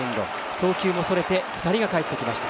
送球もそれて２人がかえってきました。